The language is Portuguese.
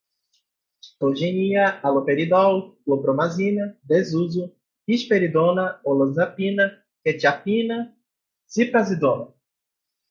patogenia, haloperidol, clorpromazina, desuso, risperidona, olanzapina, quetiapina, ziprasidona